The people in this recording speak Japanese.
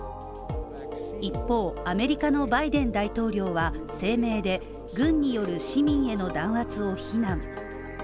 一方、アメリカのバイデン大統領は声明で軍による市民への弾圧を非難。